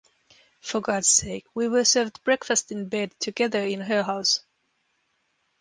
For God's sake, we were served breakfast in bed together in her house.